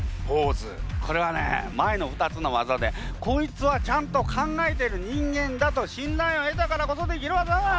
これはね前の２つの技でこいつはちゃんと考えている人間だと信頼を得たからこそできる技だ！